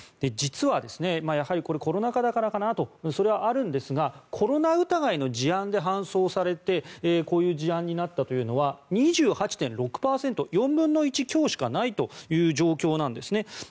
実は、これコロナ禍だからかなとそれはあるんですがコロナ疑いの事案で搬送されてこういう事案になったというのは２８．６％４分の１強しかないという状況なんですね。